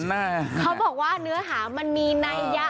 เขาบอกว่าเนื้อหามันมีนัยยะ